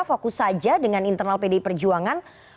fokus saja dengan internal pdi perjuangan